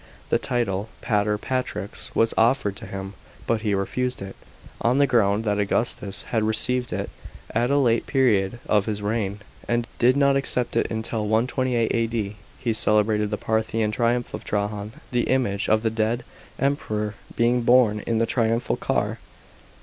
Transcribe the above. The title Pater patrix was otf'er< d to him, but he refused it, on the ground that Augustus had received it at a late period of his reign ; and did not accept it until 128 A.D. He celebrated the Parthian triumph of Trajan, the image of the dead Emperor being borne in the triumphal car.